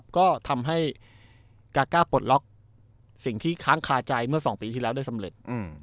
ก็ทำให้กาก้าปลดล็อกสิ่งที่ค้างคาใจเมื่อ๒ปีที่แล้วได้สำเร็จ